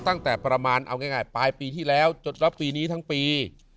ตั้งแต่ประมาณเอาง่ายปลายปีที่แล้วจนรับปีนี้ทั้งปี